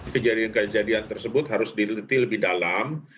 kejadian kejadian tersebut harus diliti lebih dalam